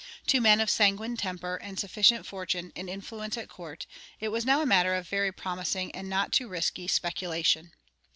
To men of sanguine temper and sufficient fortune and influence at court, it was now a matter of very promising and not too risky speculation.